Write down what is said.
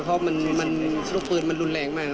เพราะลูกปืนมันรุนแรงมาก